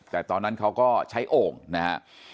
แต่ตอนนั้นเขาก็ใช้โอ่งนะฮะ